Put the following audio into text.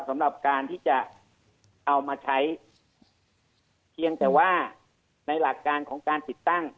สำหรับการที่จะเอามาใช้เพียงแต่ว่าในหลักการของการติดตั้ง